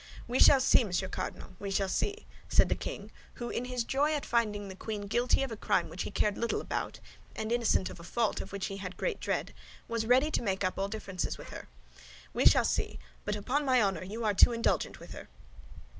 "We shall see, Monsieur Cardinal, we shall see," said the king, who, in his joy at finding the queen guilty of a crime which he cared little about, and innocent of a fault of which he had great dread, was ready to make up all differences with her, "we shall see, but upon my honor, you are too indulgent toward her."